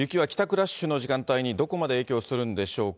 ラッシュの時間帯に、どこまで影響するんでしょうか。